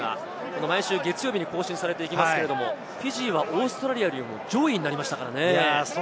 毎週月曜日に更新されますが、フィジーはオーストラリアよりも上位になりましたからね。